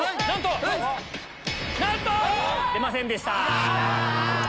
なんと‼出ませんでした。